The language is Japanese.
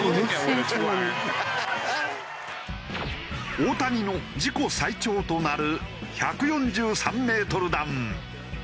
大谷の自己最長となる１４３メートル弾。